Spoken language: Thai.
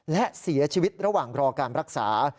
และเสียชีวิตระหว่างรอการรักษา